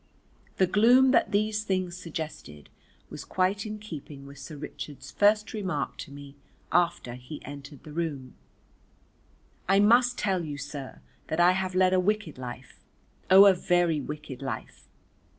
The gloom that these things suggested was quite in keeping with Sir Richard's first remark to me after he entered the room: "I must tell you, sir, that I have led a wicked life. O, a very wicked life."